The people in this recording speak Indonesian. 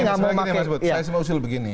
saya mau usul begini